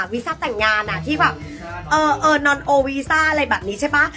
วีซ่าแต่งงานที่แบบนอนโอวีซ่าอะไรแบบนี้ใช่ป่ะ